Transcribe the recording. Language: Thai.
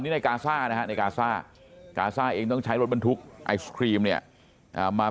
นี่ในกาซ่านะฮะในกาซ่ากาซ่าเองต้องใช้รถบรรทุกไอศครีมเนี่ยมา